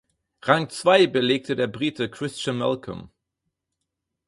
Rang zwei belegte der Brite Christian Malcolm.